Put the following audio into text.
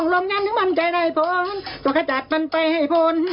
หนูมันใจไร้ฝนจนกระจาดมันไปให้ผล